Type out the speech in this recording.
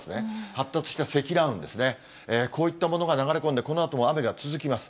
発達した積乱雲ですね、こういったものが流れ込んで、このあとも雨が続きます。